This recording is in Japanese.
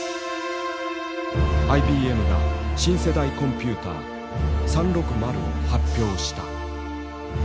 ＩＢＭが新世代コンピューター「３６０」を発表した。